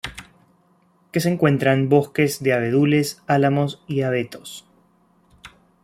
Que se encuentran bosques de abedules, álamos y abetos.